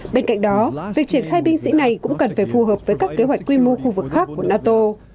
bên cạnh đó việc triển khai binh sĩ này cũng cần phải phù hợp với các kế hoạch quy mô khu vực khác của nato